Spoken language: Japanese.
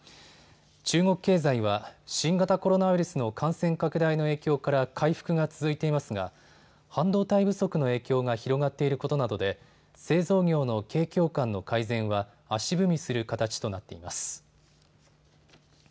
中国経済は新型コロナウイルスの感染拡大の影響から回復が続いていますが半導体不足の影響が広がっていることなどで製造業の景況感の改善は足踏みする形となっています。